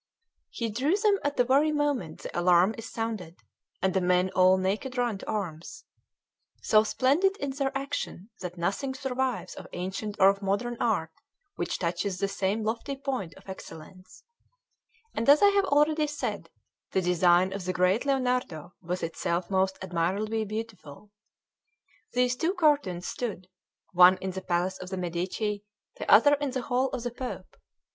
He drew them at the very moment the alarm is sounded, and the men all naked run to arms; so splendid in their action that nothing survives of ancient or of modern art which touches the same lofty point of excellence; and as I have already said, the design of the great Lionardo was itself most admirably beautiful. These two cartoons stood, one in the palace of the Medici, the other in the hall of the Pope.